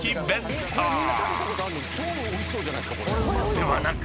［ではなく］